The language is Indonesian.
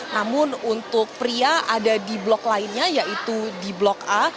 namun untuk pria ada di blok lainnya yaitu di blok a